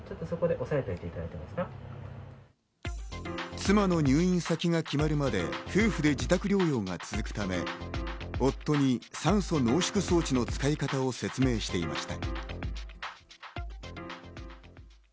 妻の入院先が決まるまで夫婦で自宅療養が続くため、夫に酸素濃縮装置の使い方を説明していました。